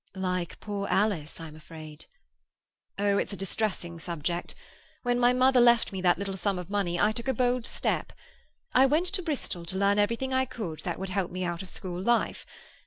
"Like poor Alice, I'm afraid." "Oh, it's a distressing subject. When my mother left me that little sum of money I took a bold step. I went to Bristol to learn everything I could that would help me out of school life.